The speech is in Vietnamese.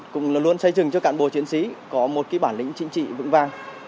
cũng luôn xây dựng cho cản bộ chiến sĩ có một bản lĩnh chính trị vững vang